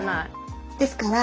ですから